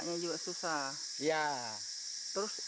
selanjutnya beriniti di hollywood